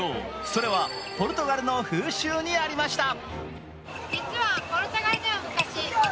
それはポルトガルの風習にありました。